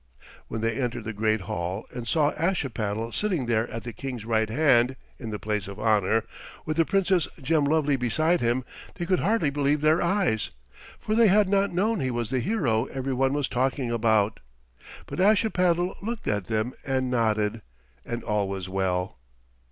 When they entered the great hall and saw Ashipattle sitting there at the King's right hand in the place of honor, with the Princess Gemlovely beside him, they could hardly believe their eyes, for they had not known he was the hero every one was talking about. But Ashipattle looked at them and nodded, and all was well.